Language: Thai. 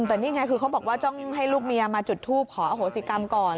แต่นี่ไงคือเขาบอกว่าต้องให้ลูกเมียมาจุดทูปขออโหสิกรรมก่อน